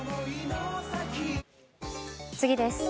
次です。